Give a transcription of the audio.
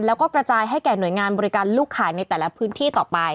แล้วก็กระจายให้แก่หน่วยงานบริการลูกขายในแต่ละพื้นที่ต่อไป